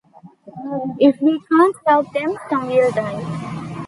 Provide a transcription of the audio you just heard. If we can't help them, some will die.